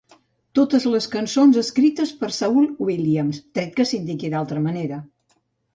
Totes les cançons escrites per Saul Williams, tret que s'indiqui d'altra manera.